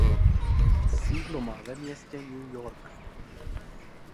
Sídlo má ve městě New York.